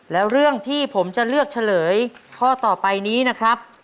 แล้วเรื่องที่ผมจะเลือกเฉลยข้อต่อไปนี้นะครับ